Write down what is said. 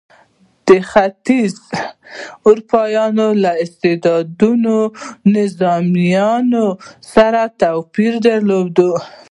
د ختیځې اروپا له استبدادي نظامونو سره توپیر درلود.